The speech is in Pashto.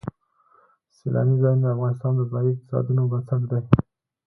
سیلانی ځایونه د افغانستان د ځایي اقتصادونو بنسټ دی.